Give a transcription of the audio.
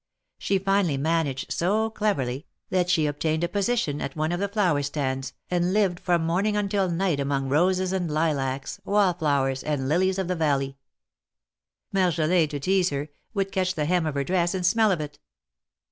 She finally managed so cleverly, that she obtained a position at one of the flower stands, and lived from morning until night among roses and lilacs, wall flowers, and lilies of the valley. Marjolin, to tease her, would catch the hem of her dress and smell of it.